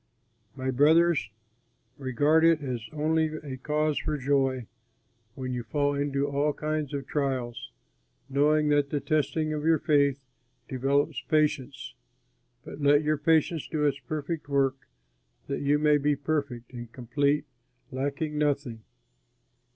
My brothers, regard it as only a cause for joy, when you fall into all kinds of trials. Know that the testing of your faith develops patience; but let your patience do its perfect work, that you may be perfect and complete, lacking nothing.